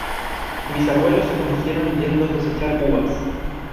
Mis abuelos se conocieron yendo a cosechar uvas.